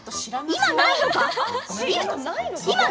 今ないのか！